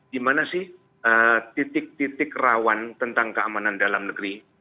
di mana sih titik titik rawan tentang keamanan dalam negeri